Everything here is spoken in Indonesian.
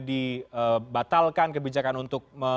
dibatalkan kebijakan untuk